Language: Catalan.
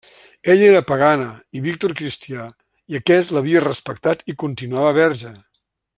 Ella era pagana, i Víctor cristià, i aquest l'havia respectat i continuava verge.